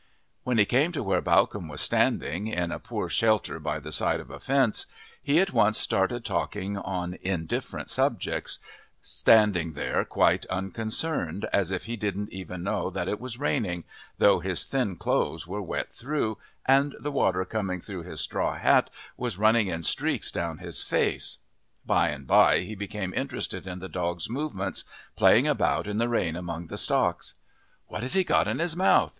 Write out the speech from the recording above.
When he came to where Bawcombe was standing, in a poor shelter by the side of a fence, he at once started talking on indifferent subjects, standing there quite unconcerned, as if he didn't even know that it was raining, though his thin clothes were wet through, and the water coming through his straw hat was running in streaks down his face. By and by he became interested in the dog's movements, playing about in the rain among the stocks. "What has he got in his mouth?"